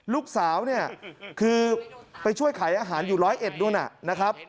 ลูกสาวเนี่ยคือไปช่วยขายอาหารอยู่ร้อยเอ็ดนู่นนะครับ